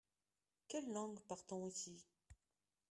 Quelle langue parle-t-on ici ?